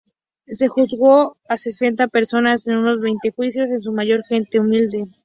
Se juzgó a sesenta personas en unos veinte juicios, en su mayoría gente humilde.